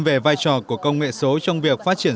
về vai trò của công nghệ số trong việc phát triển